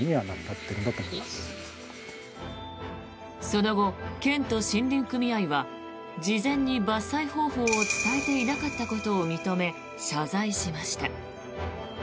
その後、県と森林組合は事前に伐採方法を伝えていなかったことを認め謝罪しました。